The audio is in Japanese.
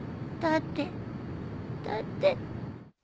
だってだって